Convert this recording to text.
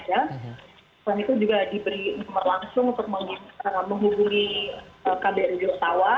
dan itu juga diberi informasi langsung untuk menghubungi kbri jogjawa